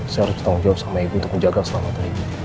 saya harus bertanggung jawab sama ibu untuk menjaga keselamatan ibu